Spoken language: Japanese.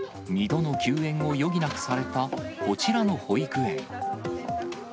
２度の休園を余儀なくされたこちらの保育園。